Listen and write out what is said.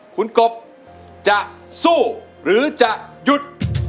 คุณกบจะสู้หรือจะหยุด